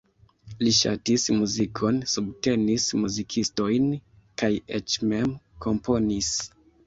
Li ŝatis muzikon, subtenis muzikistojn kaj eĉ mem komponis.